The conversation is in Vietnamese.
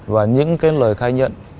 và những lời khai nhận